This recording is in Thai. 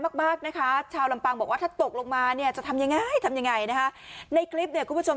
มากมากนะคะชาวลำปางบอกว่าถ้าตกลงมาเนี่ยจะทำยังไงทำยังไงนะคะในคลิปเนี่ยคุณผู้ชม